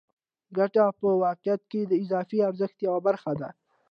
ګته په واقعیت کې د اضافي ارزښت یوه برخه ده